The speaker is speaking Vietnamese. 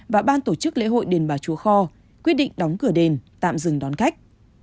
và bang tổ chức lễ hội đền bà chùa kho quyết định đóng cửa đền tạm dừng đón khách